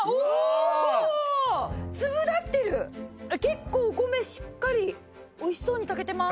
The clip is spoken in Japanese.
結構お米しっかり美味しそうに炊けてます。